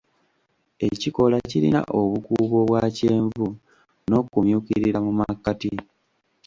Ekikoola kirina obukuubo obwa kyenvu n'okumyukirira mu makkati.